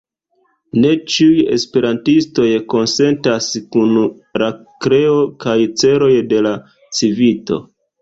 Ne ĉiuj esperantistoj konsentas kun la kreo kaj celoj de la Civito.